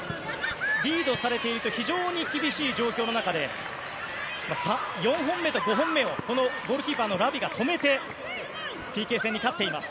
リードされていると非常に厳しい状況の中で４本目と５本目をこのゴールキーパーのラビが止めてＰＫ戦に勝っています。